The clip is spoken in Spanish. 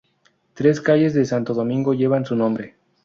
Tres calles de Santo Domingo llevan su nombre.